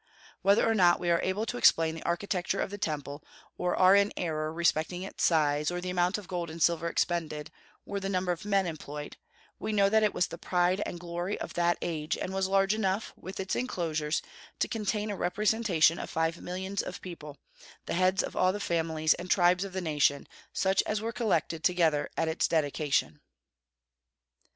Whether or not we are able to explain the architecture of the Temple, or are in error respecting its size, or the amount of gold and silver expended, or the number of men employed, we know that it was the pride and glory of that age, and was large enough, with its enclosures, to contain a representation of five millions of people, the heads of all the families and tribes of the nation, such as were collected together at its dedication.